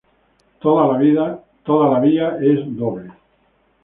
Toda la vía es doble.